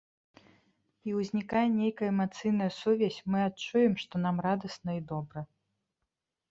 І ўзнікае нейкая эмацыйная сувязь, мы адчуем, што нам радасна і добра.